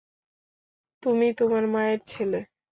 তুমি তোমার মায়ের ছেলে।